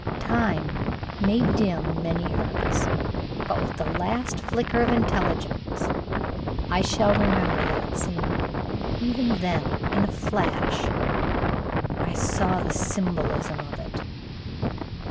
Time may dim many hurts, but with the last flicker of intelligence I shall remember that scene. Even then, in a flash, I saw the symbolism of it.